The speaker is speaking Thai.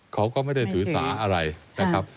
เขาก็ไม่ได้ถือสาอะไรนะครับ